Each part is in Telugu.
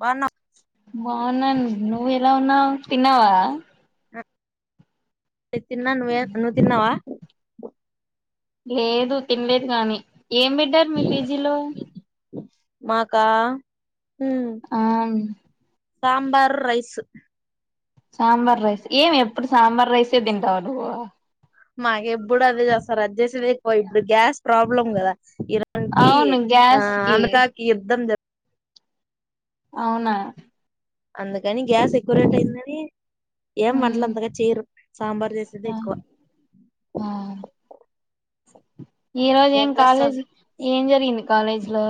బాన్నం బాగున్నాను నువ్వు ఎలా ఉన్నావు తిన్నావా తిన్నా నువ్వే నువ్వు తిన్నావా లేదు తినలేదు కాని ఏం పెడ్డారు మీ పీజీలో మాకా ఆ సాంబార్ రైస్ సాంబార్ రైస్ ఏం ఎప్పుడు సాంబార్ రైసే తింటావు నువ్వు మాకెప్పుడు అదే చేస్తారు అది చేసేది ఎక్కువ ఇప్పుడు గ్యాస్ ప్రాబ్లం కదా ఇరాన్ కి అవును ఆ గ్యాస్ కి అమెరికాకి యుద్ధం జరు అవునా అందుకని గ్యాస్ ఎక్కువ రేట్ అయిందని ఏం ఉమ్, వంటలు అంతగా చేయరు సాంబార్ చేసేది ఆ ఎక్కువ ఆ. ఈ రోజు ఏం కాలేజ్ ఏం జరిగింది కాలేజీ లో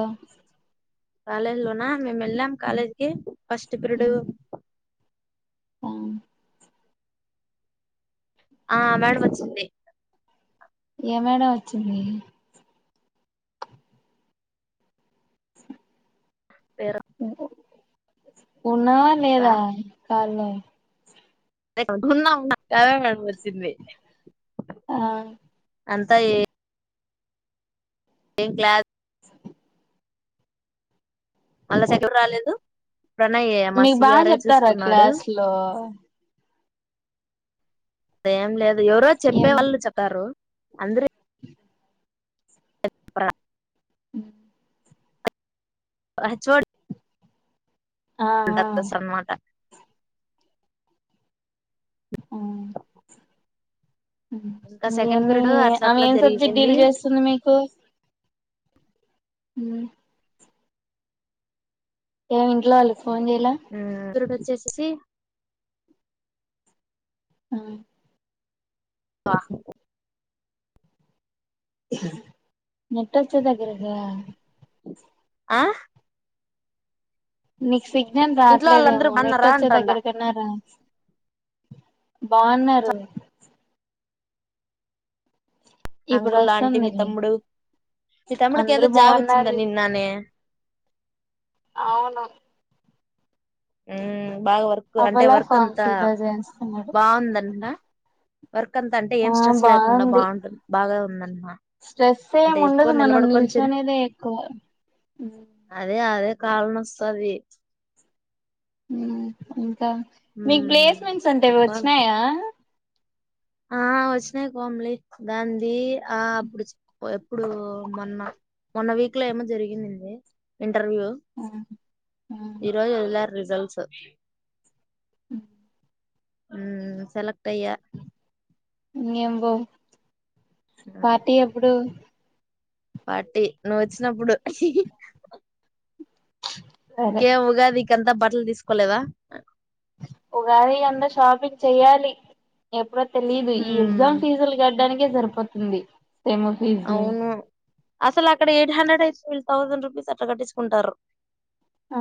ఆన్లైన్ లోనా మేము వెళ్ళాం కాలేజ్కి ఫస్ట్ పిరిడు ఉమ్, ఆ. ఆ మేడం వచ్చింది ఏ మేడం వచ్చింది ఉ ఉన్నావా లేద కాల్ లో ఉన్నా ఉన్నా [inaudible] వచ్చింది ఆ అంతా ఏ ఏ క్లాస్ అళ్ళ సెకర్ రాలేదు ప్రణయ్ మా మీకు బాగా సిఆర్ఏ చెప్తారా చూసుకున్నాడు క్లాస్ లో దే ఏం లేదు ఎవరో చెప్పే ఏం వాళ్ళు చెప్పారు అంద్రే హ హెచ్ ఓ డి ఆ ఆ సన్నమాట అ ఇంకా సెకండ్ ఇకేమీ పీరియడ్ అట్లా ఆమె అట్లా ఏం సబ్జెక్ జరిగిపోయింది డీల్ చేస్తుంది మీకు హ ఏమి ఇంట్లో వాళ్ళు దర్డు వచ్చేసెసి ఆ నెట్ట వచ్చే దగ్గరికి రా ఆ నీకు సిగ్నల్ ఇంట్లో వాళ్ళందరూ రావట్లేదేమో నెట్ బాగున్నారా వచ్చే అంటుండ దగ్గరకన్నా రా బానరు ఇప్పుడు అంకుల్ ఆంటీ మీ వస్తుందిలే తమ్ముడు మీ తమ్ముడుకి అందరూ ఏదో జాబ్ వచ్చింది బాగున్నారు నిన్ననే అవును ఉమ్ అవలా ఫామ్స్ ఇద్దజన్ బాగుందంట నా వర్క్ అంతా అంటే ఏం ఆ స్ట్రెస్ లేకుండా బాగుంది బాగుంటుంది బాగా ఉ స్ట్రెస్ ఏం ఉండదు మనం నిల్చ తిరు అనేదే ఎక్కువ కాళ్ళు నొస్తంది ఉమ్ మీకు ప్లేస్మెంట్స్ అంటా ఇవి చెప్పాల వచ్చినాయా ఆ వచ్చినాయి కోమ్లి దానిది ఆ అప్పుడు చె ఎప్పుడు మొన్న మొన్న వీక్ లో ఏమో జరిగిందింది ఇంటర్వ్యూ ఈ రజు వెలార్ రిజల్ట్స్ అ ఉమ్ సెలెక్ట్ అయ్య ఇంకేం బో ఉమ్, పార్టీ ఎప్పుడు పార్టీ నువ్వు ఒచ్చినప్పుడు హిహి సరే కే ఉగాది కంత బట్టల్ తీస్కోలేదా ఒగాది అంత షాపింగ్ చెయ్యాలి ఎప్పుడ తెలీదు ఇ ఎగ్జామ్ ఉమ్, ఫీస్ల్ గట్ డానికే సరిపోతుంది సెమ్ ఫీజ్లు అవును అసలు అక్కడ ఎయిట్ హండ్రెడ్ అయితే వీళ్ థౌజండ్ రూపీస్ అట్ల కట్టిసుకుంటార్రు ఆ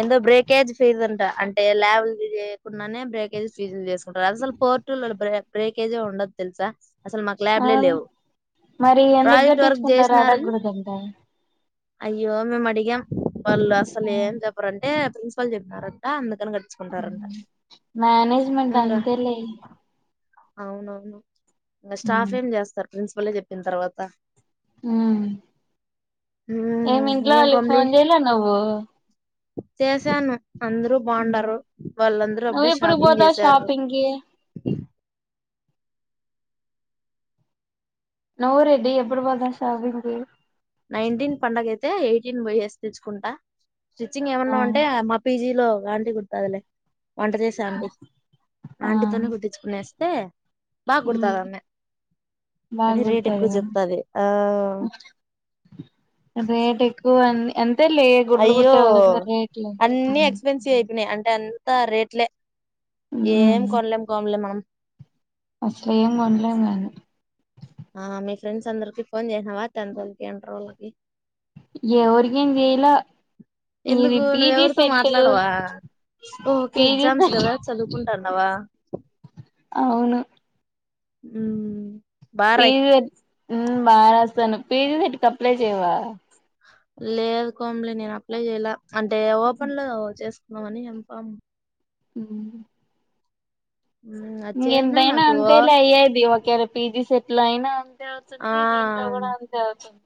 ఎంత బ్రేక్ కేజ్ ఫీజ్ అంట అంటే ల్యాబ్ల్ చేయకుంన్నానే బ్రేకేజ్ ఫీజ్లు చేస్కుంటారు అసలు పోర్టు బ్రేకేజే ఉండద్ తెల్సా అసల్ మాక్ ల్యాబ్లే అవును లేవ్ మరి ఎందుకు గట్టించుకుంటారు అడగగుడ దంట హ్ అయ్యో మేమడిగాం వాళ్ళు అసలు ఏం చప్రాంటే ప్రిన్సిపల్ చెప్తారా అంతా మానేజ్మెంట్ అంతె లే ఔనౌను ఇంగ స్టాఫ్ ఏం జేస్తర్ ప్రిన్సిపలే జెప్పిన్ తర్వాత ఊ ఏమి మ్మ్ ఇంట్లొ ఏం వాళ్ళకి ఫోన్ జెయ్లే నువ్వూ చేసాను అంద్రు బాగుండారు వాళ్ళంద్రూ నువ్వు అప్పుడే ఎప్పుడు షాపింగ్ పోతావు జెసారు షాపింగ్ కి నోరుది ఎప్పుడు పోతావ్ షాపింకి నైన్టీన్ పండగైతే ఐతే ఎయిటీన్ పోయేసి తెచ్చుకుంట స్టిచ్చింగ్ ఆ ఏమన్నా ఉంటే మా పీజీ ట్లో ఆంటి కుడ్తాదిలె వంట జెసే అంటీ ఆ ఆంటీతోనే కుట్టించుకునే టే బా ఉమ్ కుడ్తదామే ఆమె బాగా గని అ రేట్ గుర్తు ఎక్కువ అడిగావు. చెప్తది ఆ రేట్ ఎక్ కు అన్ ఎం అయ్యో, అన్ని ఎక్స్పెన్సివ్ అయిపోయినయ్ అన్ ఎంత రేట్లే. ఏం కొనలేం కోమలి మనమ్. అసలేం కొనలేద్ నేను ఆ మీ ఫ్రెండ్స్ అందరికి ఫోన్ చేసినావ! టెన్తోళ్లకి, ఇంటరోల్లకి, ఎవరికేమ్ చేయలా. ఇది ఎందుకు పిజీ నువ్వెవరితో సెట్టు మాట్లాడవా పిజీ సెట్ నావా? అవును. మ్మ్ బా రాయ్ పీజీ సెట్ మ్మ్ బా రాస్తాను పీజీ సెట్ కి అప్లై చేయవా? లేదు కోమలి నేను అప్లై చేయలా. అంటే ఓపెన్ లో చేస్ మావన్ని ఎం ఫామ్ ఉహు మ్మ్ అది చేసినా ఇంగెంతైనా నాకు అంతే లే అయ్యేది. ఒకేళ పీజీ సెట్ లైనా అన్ తే ఆ అవుతుంది. దీంట్లో కూడా అంతే అవుతుంది.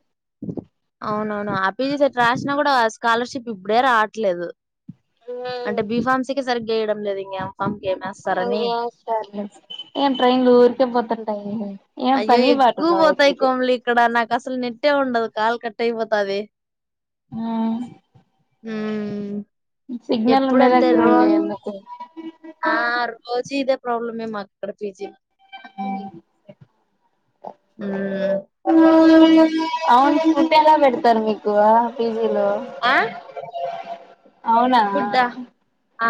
అవునవును ఆ పీజీ సెట్ రాసినా కూడా స్కాలర్షిప్ ఇబ్బుడే రావట్లేదు. అంటే బి ఫామ్సీ కి సరిగ్గేయడం లేదు ఇంగ్యం ఇంగేమేస్తర్లే! ఏం ట్రైన్లు ఊరికే పోతుంటాయి. ఏం అయ్యో పని పాట ఎక్కువ ఉండదు పోతాయి వాటికి కోమలి ఇక్కడ. నాకస్సల్ నెట్టే ఉండదు. కాల్ కట్టై పోతాది. ఆ మ్మ్ సిగ్నల్ ఉండే ఎప్పుడంతే దగ్గర ఉండే రోజు. ఎందుకు ఆ రోజు ఇదే ప్రాబ్లమే మా ఇక్కడ పీజీ అవును ఫుడ్డేలా పెడతారు మీకు? గువా ఫి ఈలో ఆ అవునా ఫుడ్డా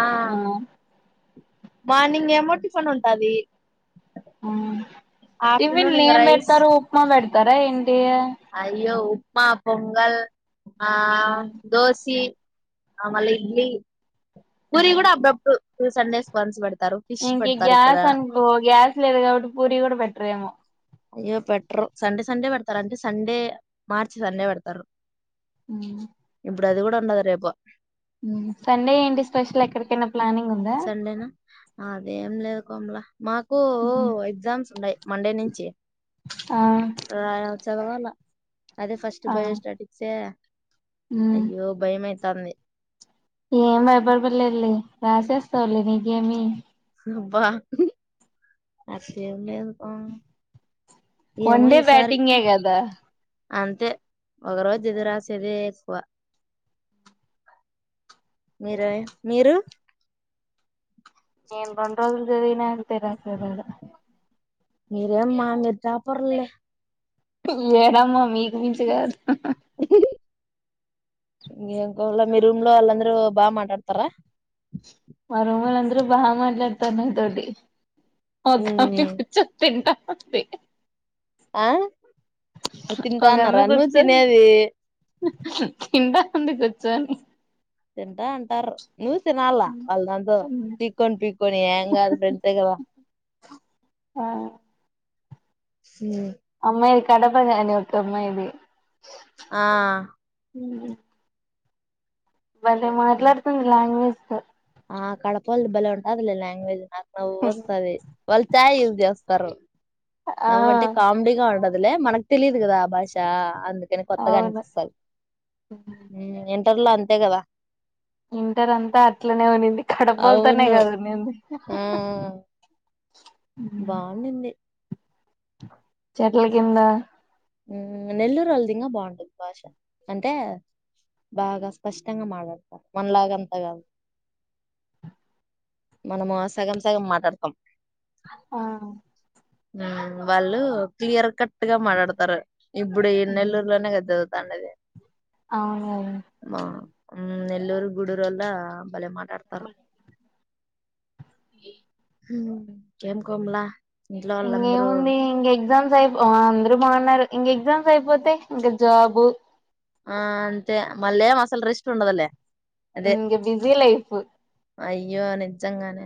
ఆ ఉ మార్నింగ్ ఏమో టిఫన్ ఉంటాది. మ్మ్ ఇంగ టిఫిన్లెం రైస్ పెడతారు? ఉప్మా పెడత్ తార ఎన్ అయ్యో ఉప్ మా పొంగల్ ఆ దోసి ఆ మళ్ళీ ఇడ్లీ పూరి కూడా అబ్బబ్ ఇ సండేస్ బంద్స్బడు ఇంకి గ్యాస్ అనుకో గ్యాస్ లేదు కాబట్టి పూరి కూడా పెట్రేమో అయ్యో పెట్టరు సండే సండే పెడతారు. అంటే సండే మార్చి సండే పెడతారు. హు ఇప్పుడు అది కూడా ఉండదు రేపు ఉమ్ సండే ఏంటి స్పెషల్ ఎక్కడికైనా ప్లానింగ్ ఉందా సండే నా అదే ఏం లేదు. కోమలా మాకూ ఎగ్జామ్స్ ఉండాయ్ మండే నుంచి ఆ రాయ చదవాల అదే ఫస్ట్ ఆ బయోస్టాటిక్స్ ఏ అయ్యో భై మై తాంది ఏం భయపడపలే రాసేస్తావులే నీకేమి అబ్బా అట్లేం లేదు పో వన్ డే బ్యాటింగే కదా అంతే ఒక రోజు జెది రాసేదే ఎక్కువ మీరు మీరు నేను రెండు రోజులు దినన్ అంతే రాత్రి వేళ మీరేమ్మా మీ టాపర్లే మేడమా మీక్ మింసా కాదు హ్ హ ఇం ఇంకోళ మీ రూమ్ లో వాళ్ళందరూ బాగ మాట్లాడతారా మా రూమోళ్ళ అందరూ బాగ మాట్లాడతారు. నాతోటి అ ఉమ్. కచ్చ తింట అే ఆ నువ్వు తింటా ఒక ఆమె అన్నారా నువ్వు కూర్చొని తినేది తింటా ఉంది కూర్చుని తింటా అంటారు నువ్స వల్ల దాంట్లో పికనీ పికొని హంగ్ అ ఫ్రెండ్స్గ ఆ ఉమ్ అమ్మాయిది కడప ని ఒక్క అమ్మాయిది ఆ ఉ మళ్ళ మాట్లాడుతుంది లాంగ్వేజ్ ఆ కడపలు బాలే ఉంటది లే లాంగ్వేజ్ నవ్వు వస్తుది వాళ్ళు చాయ్ యూజ్ చేస్తారు ఆ నవ్వు అంటే కామెడీ గా ఉంటది మనకు తెలిదు కదా భాషా అంది కొత్తగా అవును అనిపిస్తాడి అంతే కదా ఇంటర్ అంతా అట్లనే ఉన్నింది కడపలతోనే అవును కదు నేంది బాగుండంది చెట్ల కింద నెల్లూరు అలది బాగుంటుది భాష అంటే బాగా స్పష్టంగా మాట్లాడతారు మనలాగ అంత కాదు మనము సగం సగం మాట్లాడతాం ఆ వాళ్ళు క్లియర్ కట్ ట్ గా మాట్లాడతారు ఇప్పుడు ఎ నెల్లూరులోనే కదా చదువు తండద అవునువును ఉ నెల్లూరు గుడూరు అల్ బలే మ మాట్లాడతారు ఏం కోమల ఇంకేంముంది ఇంక ఎగ్జామ్స్ అయిపో అందరు బాగున్నారు ఇంక ఎగ్జామ్స్ అయిపోతే ఇంకా జాబు ఆ అంతే మళ్ళే మసాల రెస్ట్ ఉండదలేే ఇక బిజీ లైఫ్ అయ్యో నిజంగానే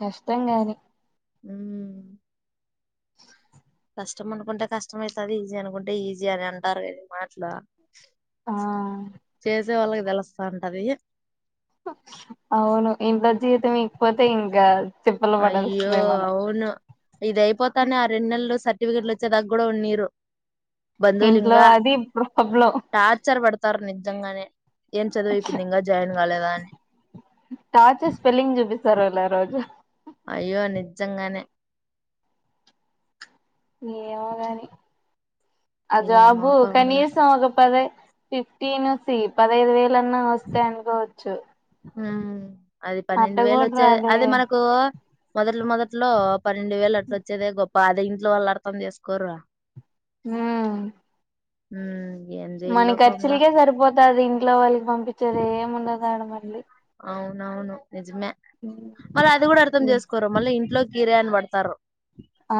కష్టం గాని హ కష్టం అనుకుంటే కష్టమ అవుతుంది ఈజీ అనుకుంటే ఈజీ అని అంటారు కది మాట్లా ఆ మే వాళ్ళకి తెలుస్తా ఉంటది అవును ఇంత జీవితం ఇకపోతే ఇంకా తిప్పలు అయ్యో పడాల్సిందే మనం అవును ఇదయిపోతానే ఆ రెండు నెలలు సరి టిఫికెట్లు వచ్చే తగ్గ కూడా ఉన్నీయరు ఇంట్లో అది పబ్ లో స్తారు నిజంగానే ఏం చదివు అయిపోయిందింగా జాయిన్ కాలేదా ఇంగ అని సరాల రోజు అయ్యో నిజంగానే ఏమోగాని అ ఏమో జాబు పాపంలే కనీసం ఒక పదయ్ ఫిఫ్టీన్ సి పదహైదు వేల అన్నా వస్తాయి అనుకోవచ్చు ఆ అది అట్ట పన్నెండు వేలు కూడా వచ్చాయి రాదే అది మనకు మొదట్లు మొదట్లో పన్నెండు వేలు అట్ల వచ్చేదే గొప్ప అదే ఇంట్లో వాళ్ళు అర్థం చేసుకోరు గా హ హ మన ఖర్చులకే సరిపోతది ఇంట్లో వాళ్ళకి పంపించేది ఏమి ఉండదు మళ్ళీ అవునవును నిజమే మళ్ళ అది కూడా అర్థం చేసుకోరు మళ్ళీ ఇంట్లోకి కిరాయాన్ పడతారు ఆ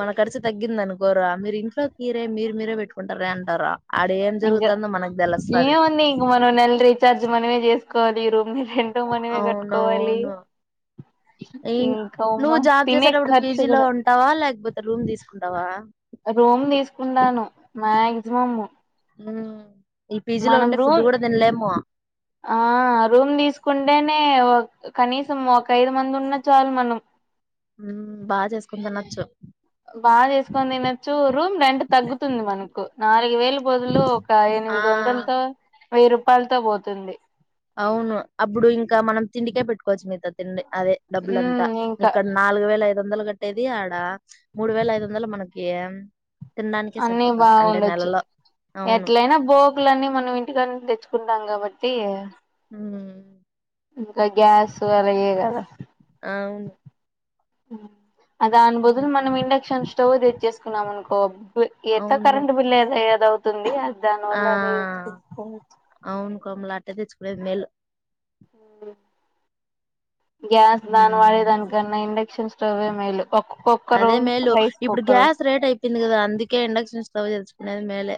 మన ఖర్చు తగ్గింది అనుకోరా మీరు ఇంట్లో కీరే మీరు మీరే పెట్టుకుంటారే అంటారు ఇంకా ఏముంది ఇంకా మన నెల రీచార్జ్ మనమే చేసుకోవాలి ఈ రూమ్ రెంట్ మనమే కట్టుకోవాలి అవునవును ఇంకా నువ్వు ఉమ్మ జాబ్ తినే చేసేటప్పుడు ఖర్చు పీజీలో కూడా ఉంటావా లేకపోతే రూమ్ తీసుకుంటావా? రూమ్ తీసుకుంటాను మాక్సిమం ఉ మనం రూమ్ ఆ రూమ్ తీసుకుంట అంటేనే కనీసం ఒక ఐదు మంది ఉన్న చాలు మనం ఉం బాగా చేసుకుందా నచ్చ బాగా చేసుకొని తినొచ్చు రూమ్ రెంట్ తగ్గుతుంది మనకు నాలుగు వేలు బదులు ఒక ఎనిమిది వందలతో వెయ్యి రూపాయలతో పోతుంది అవును అప్పుడు ఇంకా మనం తిండికే పెట్టుకోవచ్చు మిగతా తిండి అదే డబ్బులంతా ఉమ్ ఇంకా ఇక్కడ నాలుగు వేలు ఐదు వందలు కట్టేది ఆడ మూడు వేల ఐదు వందలు మనకి తినడానికే అన్నీ సరిపోతది అంటే బాగుండొచ్చు నెలలో అవును ఎట్లయినా బోకుళ్ళన్నీ మనం ఇంటినిచ్చి తెచ్చుకుంటాం కాబట్టి ఉమ్ ఇంకా గ్యాస్ అవియే కదా అవును హ్మ్మ్ అ దాని బదులు మనం ఇండక్షన్ స్టవ్ తెచ్చేసుకున్నాం అను కో ఎట్టా అవును కరంట్ బిల్లే అదే కదా అవు తుంది దాని ఆ వల్ల అదే ఎతకచుకోవచ్చు కోమల అట్టే తెచ్చుకునేది మేలు ఉమ్ గ్యాస్ దాని వాడే ఉమ్ దానికన్నా ఇండక్షన్స్ రవే మేలు ఒక్క కుక్కరు అదే మేలు రైస్ ఇప్పుడు కుక్కరు గ్యాస్ రేట్ అయిపోయింది కదా అందుకే ఇండక్షన్ స్టవ్ తెచ్చుకునేది మేలే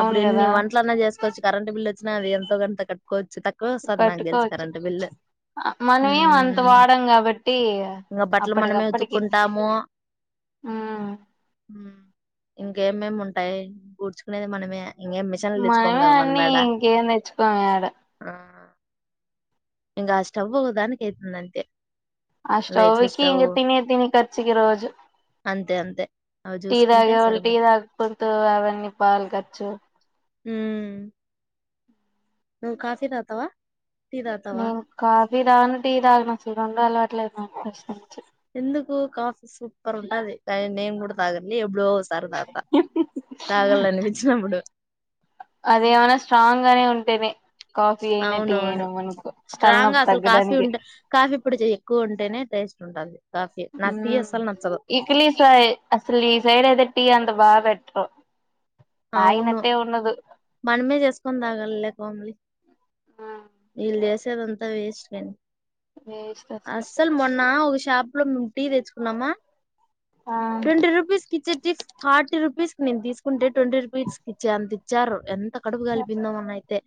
అప్పుడు ఎన్ని కదా వంటలన్నా చేసుకోవచ్చు కరెంట్ బిల్ వచ్చిన అది ఎంతో గంత కటుకోవచ్చు కట్టుకోవచ్చు మనేం అంత వాడం కాబట్టి అప్పటికప్పటికి కుంటాము మ్మ్ ఇంకేమేమి ఉంటాయి గూడ్చుకునేది మనమే ఇంకేం మిషన్లు తెచ్చుకోము మనమే కదా మనం అన్ని యాడ ఇంకేం తెచ్చుకోము ఏడ ఆ ఇంకా ఆ స్టవ్ ఒక దానికి అవుతుంది అంతే ఆ లైట్లు స్టవ్కి స్టవ్ ఇంకా తినే తినే కర్చుకి రోజు అంతే అంతే అవి టీ చూసుకుంటే తాగేవాళ్ళు టీ సరిపోతుంది తాగపోత అవన్నీ పాల్ క చ్చు ఉమ్ నువ్వు కాఫీ తాగతావా నేను కాఫీ దాను టీ తాగాను అసలు రెండు అలవాటు లేదు మాకు ఫస్ట్ వొచ్చు ఎందుకు కాఫీ సూపర్ ఉంటది నేన్ కు కూడా తాగాను కాని యెబుడో ఒక సారి తగతా తగళ్ళ అనిపించినప్పుడు అదేమనా స్ట్రాంగ్ గానే ఉంటేనే కాఫీ అయినా టీ అవునవును అయినా మనకు స్ట్రాంగ్గా తలనొప్పి అసలు కాఫీ తగ్గడానికి ఉంటే కాఫీ పొడి కొంచం ఎక్కువ ఉంటేనే టేస్ట్ ఉంటాలి ఇక్లీ స అసలు ఈ సైడ్తే టీ వాా వెట అవును ఆయినట్టే ఉన్నదు మనమే చేసుకుొని తాగలి లేకమ్మలి నిల్దస్ దంతా వేస్ట్ కాండి అసలు మొన్న ఒక షాప్ ఇప్పు మ టీీ తెచ్చుకున్నామా ఆ ట్వంటీ రుపీస్ఫ కి ఇచ్చేది ఫోర్ట్ రూపీస్ నేను తీసుకుంటే ట్వంటీ రూపీస్కిచ్చ అంత ఇచ్చారు ఎంత అక్కడుపు కలిపిందామన్నయితే